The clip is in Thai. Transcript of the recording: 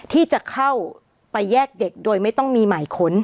ที่จะเข้าไปแยกเด็กโดยไม่ต้องมีหมายค้น